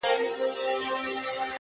د تجربې ارزښت په وخت څرګندیږي.!